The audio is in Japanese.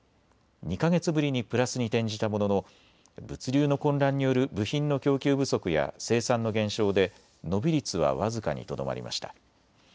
２か月ぶりにプラスに転じたものの物流の混乱による部品の供給不足や生産の減少で伸び率は僅かにとどまりました。